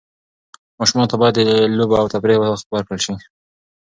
ماشومانو ته باید د لوبو او تفریح وخت ورکړل سي.